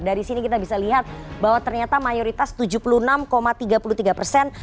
dari sini kita bisa lihat bahwa ternyata mayoritas tujuh puluh enam tiga puluh tiga persen